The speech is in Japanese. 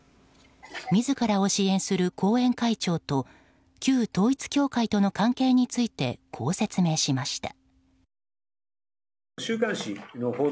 自らを支援する後援会長と旧統一教会との関係についてこう説明しました。